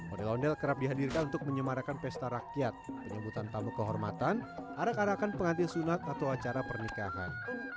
ondel ondel kerap dihadirkan untuk menyemarakan pesta rakyat penyebutan tamu kehormatan arak arakan pengantin sunat atau acara pernikahan